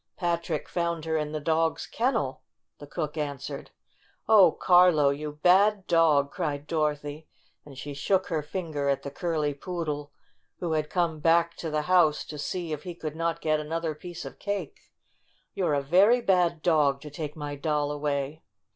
"Patrick found her in the dog's ken nel," the cook answered. "Oh, Carlo ! You bad dog!" cried Dor othy, and she shook her finger at the curly poodle, who had come back to the house to see if he could not get another piece of IN THE RAG BAG 77 cake. "You're a very bad dog to take my doll away!"